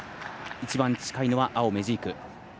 一番近いのは青、メジーク。